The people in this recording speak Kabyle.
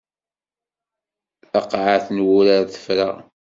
Taqaɛet n wurar tefra.